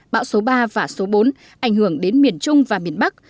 bão số ba và số bốn ảnh hưởng đến miền trung và miền bắc